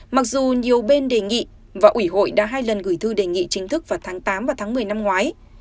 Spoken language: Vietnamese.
mặc dù nhiều bên đề nghị và ủy hội đã hai lần gửi thư đề nghị chính thức vào tháng tám và tháng một mươi năm ngoái